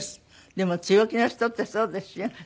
でも強気な人ってそうですよ。